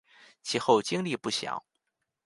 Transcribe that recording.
其后经历不详。